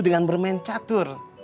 dengan bermain catur